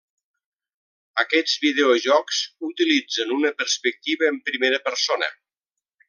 Aquests videojocs utilitzen una perspectiva en primera persona.